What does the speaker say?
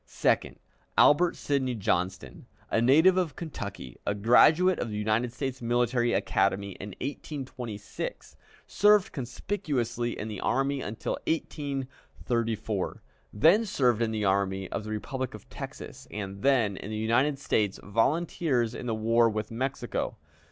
Second, Albert Sidney Johnston, a native of Kentucky, a graduate of the United States Military Academy in 1826, served conspicuously in the army until 1834, then served in the army of the Republic of Texas, and then in the United States Volunteers in the war with Mexico.